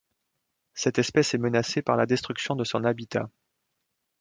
Cette espèce est menacée par la destruction de son habitat.